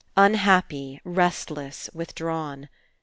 Unhappy, restless, with drawn.